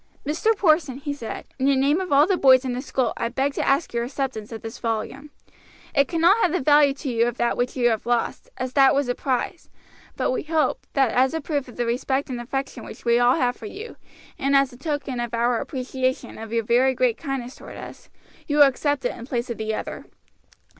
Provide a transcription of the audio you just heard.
"Mr. Porson," he said, "in the name of all the boys in the school I beg to ask your acceptance of this volume. It cannot have the value to you of that which you have lost, as that was a prize; but we hope, that as a proof of the respect and affection which we all have for you, and as a token of our appreciation of your very great kindness toward us, you will accept it in place of the other."